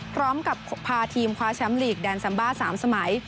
พร้อมกับพาทีมคว้าแชมป์ลีกแดนซัมบ้า๓สมัย